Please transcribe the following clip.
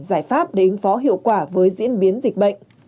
giải pháp để ứng phó hiệu quả với diễn biến dịch bệnh